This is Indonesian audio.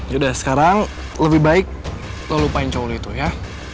yaudah sekarang lebih baik lo lupain cowok itu ya